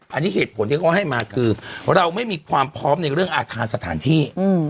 อันนี้เหตุผลที่เขาให้มาคือเราไม่มีความพร้อมในเรื่องอาคารสถานที่